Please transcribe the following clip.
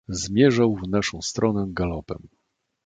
"Zmierzał w naszą stronę galopem."